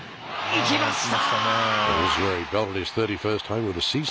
いきました！